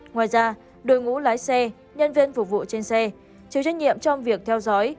ngoài ra đội ngũ lái xe nhân viên phục vụ trên xe chịu trách nhiệm trong việc theo dõi